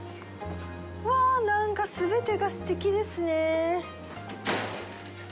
うわあ、何か全てがすてきですね。